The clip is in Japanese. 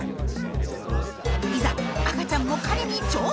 いざ赤ちゃんも狩りに挑戦！